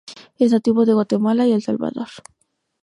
Es nativo de Guatemala y El Salvador.